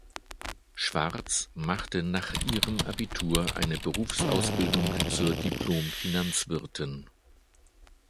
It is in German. Schwarz machte nach ihrem Abitur eine Berufsausbildung zur Diplom-Finanzwirtin.